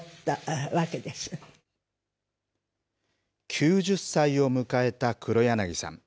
９０歳を迎えた黒柳さん。